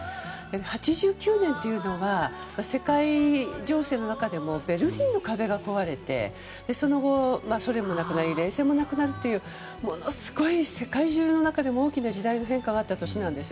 ８９年というのは世界情勢の中でもベルリンの壁が壊れてその後、ソ連もなくなり冷戦もなくなるというものすごい世界中でも大きな時代の変化があった年なんです。